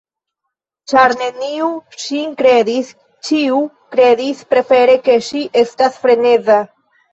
Ĉar neniu ŝin kredis, ĉiu kredis prefere ke ŝi estas freneza.